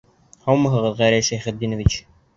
Һаумыһығыҙ, Гәрәй Шәйхетдинович!